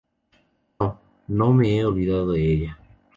no, no me he olvidado de ella